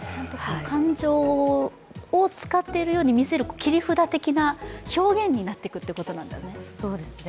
感情を使っているように見せる切り札的な表現になってくということなんですね。